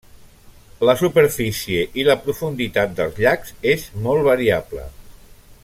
La superfície i la profunditat dels llacs és molt variable.